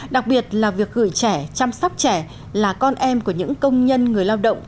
đặc biệt là việc gửi trẻ chăm sóc trẻ là con em của những công nhân người lao động